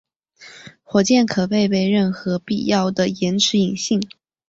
火箭可配备任何必要的延迟引信。